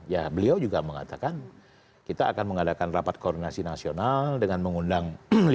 ya beliau juga mengatakan kita akan mengadakan rapat koordinasi nasional dengan mengundang lima ratus empat puluh